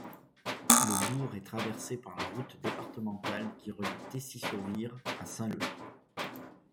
Le bourg est traversé par la route départementale qui relie Tessy-sur-Vire à Saint-Lô.